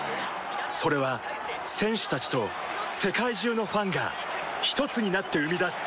それは選手たちと世界中のファンがひとつになって生み出す